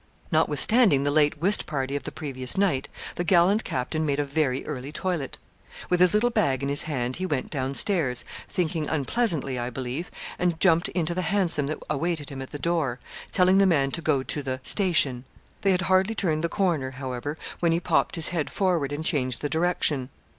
Notwithstanding the late whist party of the previous night, the gallant captain made a very early toilet. With his little bag in his hand, he went down stairs, thinking unpleasantly, I believe, and jumped into the Hansom that awaited him at the door, telling the man to go to the station. They had hardly turned the corner, however, when he popped his head forward and changed the direction.